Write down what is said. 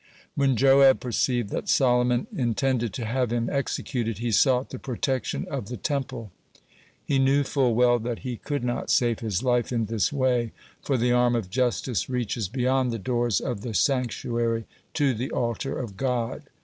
(7) When Joab perceived that Solomon intended to have him executed, he sought the protection of the Temple. He knew full well that he could not save his life in this way, for the arm of justice reaches beyond the doors of the sanctuary, to the altar of God.